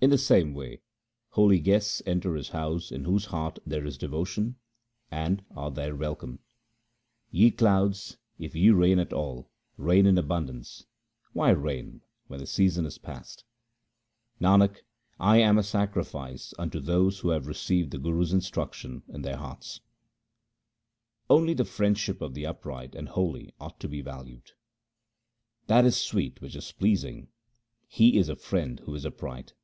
In the same way holy guests enter his house in whose heart there is devotion, and are there welcomed. Ye clouds, if ye rain at all, rain in abundance ; why rain when the season is past ? 2 Nanak, I am a sacrifice unto those who have received the Guru's instruction in their hearts. Only the friendship of the upright and holy ought to be valued :— That is sweet which is pleasing ; he is a friend who is upright.